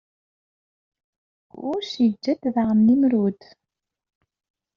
Kuc iǧǧa-d daɣen Nimrud.